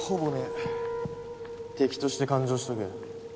敵として勘定しとけ。